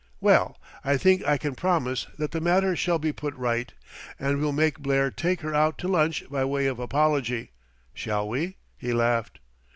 "Well, I think I can promise that the matter shall be put right, and we'll make Blair take her out to lunch by way of apology, shall we?" he laughed.